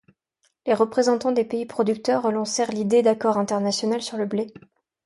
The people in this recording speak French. Les représentants des pays producteurs relancèrent l‟idée d‟accord international sur le blé.